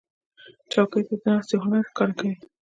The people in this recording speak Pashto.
چوکۍ د ناستې هنر ښکاره کوي.